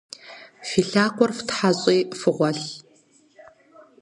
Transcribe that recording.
Фи лъакъуэр фтхьэщӏи фыгъуэлъ!